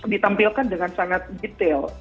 ditampilkan dengan sangat detail